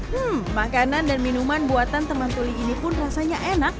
hmm makanan dan minuman buatan teman tuli ini pun rasanya enak